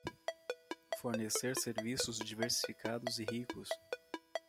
Fornecer serviços diversificados e ricos